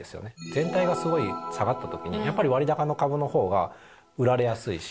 全体がすごい下がった時に割高の株の方が売られやすいし。